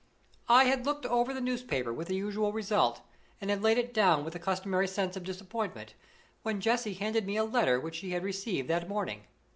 I had looked over the newspaper with the usual result, and had laid it down with the customary sense of disappointment, when Jessie handed me a letter which she had received that morning.